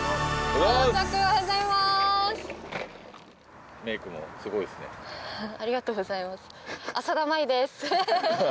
おはようございます